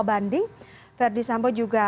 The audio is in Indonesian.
berupa banding verdesampu juga